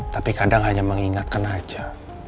tapi kadang hanya mengingatkan saja